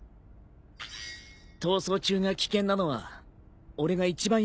逃走中が危険なのは俺が一番よく知ってる。